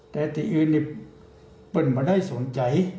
แต่ที่อื่นเนี่ยพร้อมว่าได้สนใจ